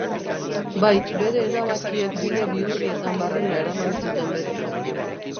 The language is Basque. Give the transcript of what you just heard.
Bai, bere erabakiek bide bihurrietan barrena eraman zuten beti.